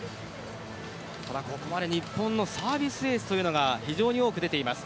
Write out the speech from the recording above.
ただ、ここまで日本のサービスエースというのが非常に多く出ています。